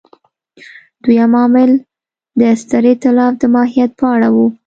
دویم عامل د ستر اېتلاف د ماهیت په اړه و.